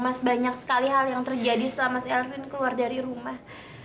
mas banyak sekali hal yang terjadi setelah mas elvin keluar dari rumah